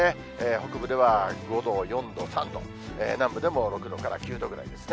北部では５度、４度、３度、南部でも６度から９度ぐらいですね。